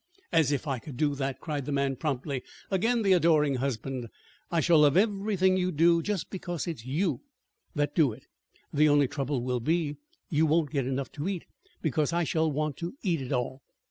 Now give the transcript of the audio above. "As if I could do that!" cried the man promptly, again the adoring husband. "I shall love everything you do just because it's you that do it. The only trouble will be, you won't get enough to eat because I shall want to eat it all!"